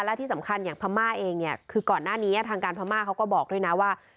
และที่สำคัญอย่างพม่าเองเนี่ยคือก่อนหน้านี้ทางการพม่าเขาก็บอกด้วยนะว่า